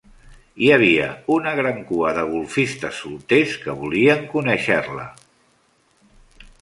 Hi havia una gran cua de golfistes solters que volien conèixer-la.